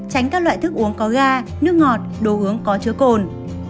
tránh các loại thức uống có ga nước ngọt đồ uống có chứa cồn